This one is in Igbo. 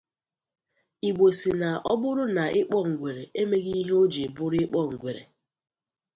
Igbo sị na ọ bụrụ na ịkpọ ngwere emeghị ihe o jiri bụrụ ịkpọ ngwere